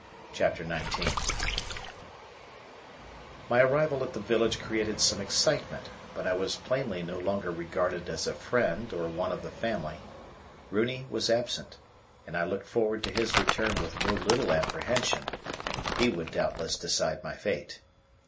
CHAPTER XIX My arrival at the village created some excitement; but I was plainly no longer regarded as a friend or one of the family. Runi was absent, and I looked forward to his return with no little apprehension; he would doubtless decide my fate.